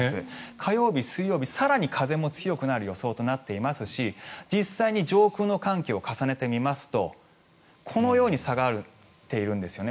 火曜日、水曜日更に風も強くなる予想となっていますし実際に上空の寒気を重ねてみますとこのように下がっているんですよね。